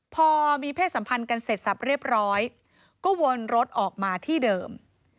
พอมีเพศสัมพันธ์กันเสร็จสับเรียบร้อยก็วนรถออกมาที่เดิม